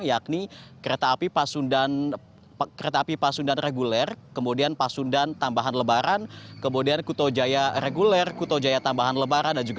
yakni kereta api pasundan reguler kemudian pasundan tambahan lebaran kemudian kuto jaya reguler kuto jaya tambahan lebaran